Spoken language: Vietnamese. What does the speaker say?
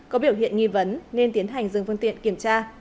có biểu hiện nghi vấn nên tiến hành dừng phương tiện kiểm tra